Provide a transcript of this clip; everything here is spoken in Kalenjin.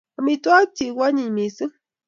Amitwogik chi ko anyiny mising